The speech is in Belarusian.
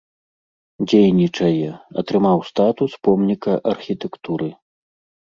Дзейнічае, атрымаў статус помніка архітэктуры.